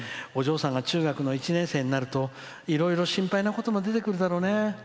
お嬢さんが中学の１年生になるといろいろ心配なことも出てくるだろうね。